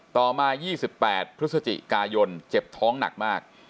ต่อมา๒๘พฤศจิกายนเจ็บท้องหนักมาก